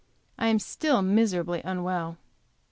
I am still so miserably unwell.